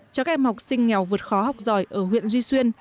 cho các em học sinh nghèo vượt khó học giỏi ở huyện duy xuyên